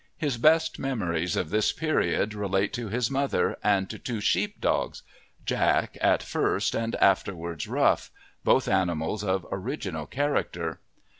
His best memories of this period relate to his mother and to two sheepdogs, Jack at first and afterwards Rough, both animals of original character.